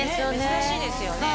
珍しいですよね